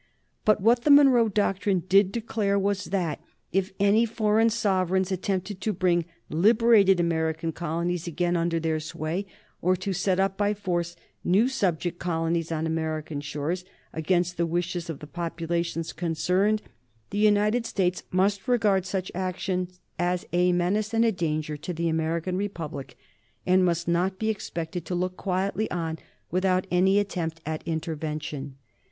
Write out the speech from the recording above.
But what the Monroe doctrine did declare was that if any foreign sovereigns attempted to bring liberated American colonies again under their sway, or to set up by force new subject colonies on American shores against the wishes of the populations concerned, the United States must regard such action as a menace and a danger to the American Republic, and must not be expected to look quietly on without any attempt at intervention.